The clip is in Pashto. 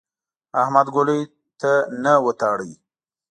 احمد ګولۍ ته نه وتاړه.